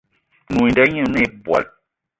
Nwǐ nda ɲî oné̂ ìbwal